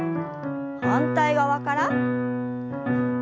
反対側から。